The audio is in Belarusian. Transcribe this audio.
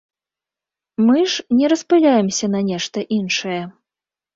Мы ж не распыляемся на нешта іншае.